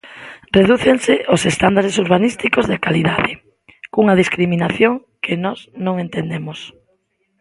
Redúcense os estándares urbanísticos de calidade, cunha discriminación que nós non entendemos.